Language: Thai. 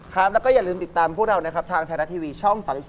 ครับแล้วก็อย่าลืมติดตามพวกเรานะครับทางไทยรัฐทีวีช่อง๓๒